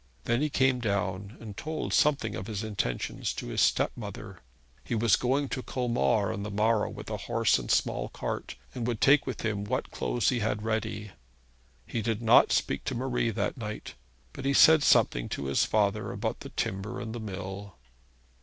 Then he came down and told something of his intentions to his stepmother. He was going to Colmar on the morrow with a horse and small cart, and would take with him what clothes he had ready. He did not speak to Marie that night, but he said something to his father about the timber and the mill.